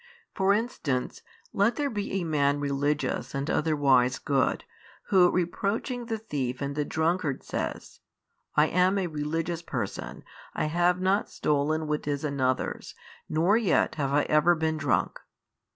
For instance let there be a |678 man religious and otherwise good, who reproaching the thief and the drunkard says, I am a religious person, I have not stolen what is another's, nor yet have I ever been drunk.